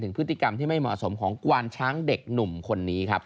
ถึงพฤติกรรมของกวานช้างเด็กหนุ่มคนนี้